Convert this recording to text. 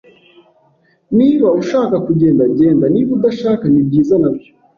Niba ushaka kugenda, genda. Niba udashaka, nibyiza, nabyo.